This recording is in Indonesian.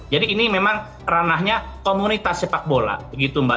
jadi ini memang ranahnya komunitas sepak bola begitu mbak